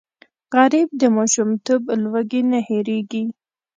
غریب د ماشومتوب لوږې نه هېرېږي